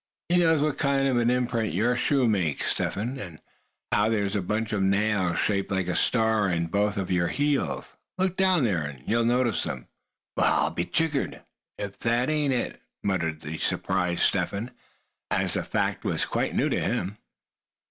He knows what kind of an imprint your shoes make, Step Hen, and how there's a bunch of nails shaped like a star in both of your heels. Look down there, and you'll notice them." "Well, I'll be jiggered if there ain't!" muttered the surprised Step Hen, as if the fact was quite new to him.